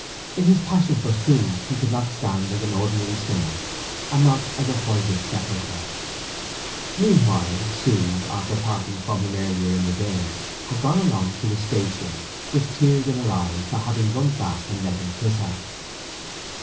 In his passion for Sue he could not stand as an ordinary sinner, and not as a whited sepulchre. Meanwhile Sue, after parting from him earlier in the day, had gone along to the station, with tears in her eyes for having run back and let him kiss her.